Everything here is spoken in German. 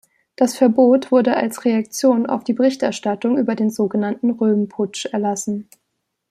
Das Verbot wurde als Reaktion auf die Berichterstattung über den so genannten Röhm-Putsch erlassen.